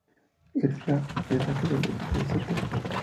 Ireland es la casa de la Iglesia de St.